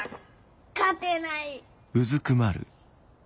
勝てない！